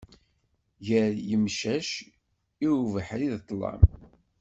Gar yemcac, i ubeḥri d ṭlam.